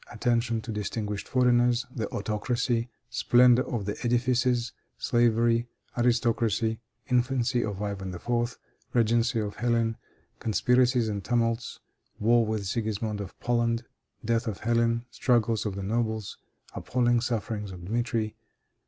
Attention To Distinguished Foreigners. The Autocracy. Splendor of the Edifices. Slavery. Aristocracy. Infancy of Ivan IV. Regency of Hélène. Conspiracies and Tumults. War with Sigismond of Poland. Death of Hélène. Struggles of the Nobles. Appalling Sufferings of Dmitri.